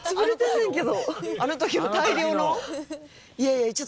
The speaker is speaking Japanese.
あの時の大量の。